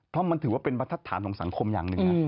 เพราะมันถือว่าเป็นบรรทัศนของสังคมอย่างหนึ่งนะ